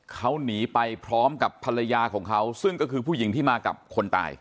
เขาหนีไปพร้อมกับภรรยาของเขาซึ่งก็คือผู้หญิงที่มากับคนตาย